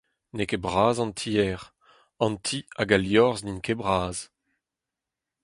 N'eo ket bras an tier. An ti hag al liorzh n'int ket bras.